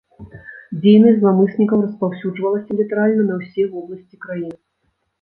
Дзейнасць зламыснікаў распаўсюджвалася літаральна на ўсе вобласці краіны.